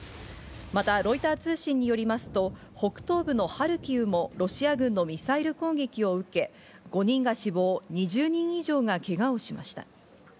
またロイター通信によりますと、北東部のハルキウもロシア軍のミサイル攻撃を受け、５人が死亡、２０人以上がけがをしました。